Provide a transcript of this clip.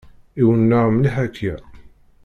Iwenneɛ mliḥ akya.